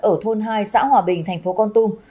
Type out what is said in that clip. ở thôn hai xã hòa bình thành phố con tum